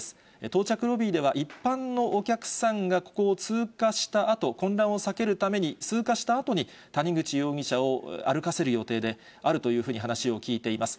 到着ロビーでは、一般のお客さんがここを通過したあと、混乱を避けるために通過したあとに、谷口容疑者を歩かせる予定であるというふうに話を聞いています。